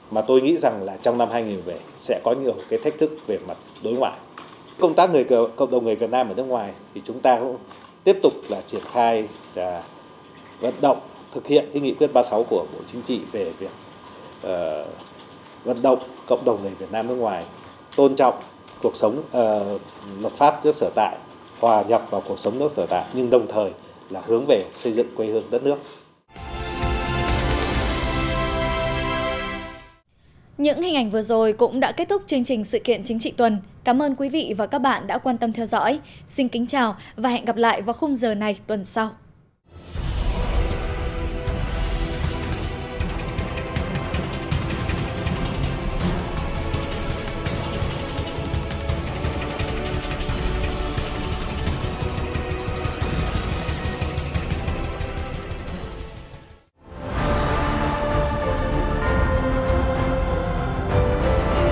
môi trường an ninh khu vực trong năm hai nghìn một mươi bảy có thể nói đánh giá là cũng hết sức là khó lường thách thức